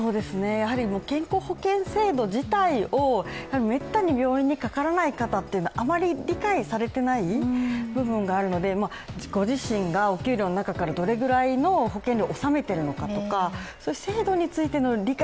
健康保険制度自体をめったに病院にかからない方っていうのはあまり理解されていない部分があるので、ご自身がお給料の中から、どれぐらい保険料を納めているのか制度についての理解